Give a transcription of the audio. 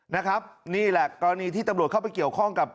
นะครับนี่แหละกรณีที่ตำรวจเข้าไปเกี่ยวข้องกับ